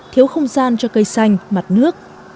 thiếu không gian cho cây xanh mặt nước